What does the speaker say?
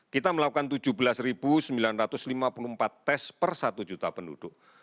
kita melakukan tujuh belas sembilan ratus lima puluh empat tes per satu juta penduduk